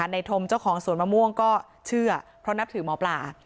ธมเจ้าของสวนมะม่วงก็เชื่อเพราะนับถือหมอปลา